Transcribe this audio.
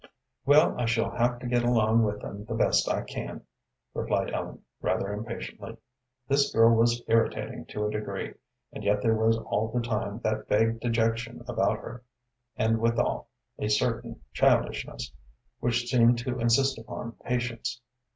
"Well, I shall have to get along with them the best way I can," replied Ellen, rather impatiently. This girl was irritating to a degree, and yet there was all the time that vague dejection about her, and withal a certain childishness, which seemed to insist upon patience.